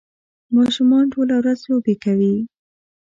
ماشومان ټوله ورځ لوبې کوي.